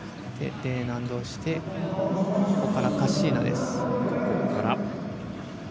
Ｄ難度してここからカッシーナです。